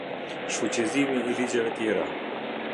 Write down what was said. Shfuqizimi i ligjeve tjera.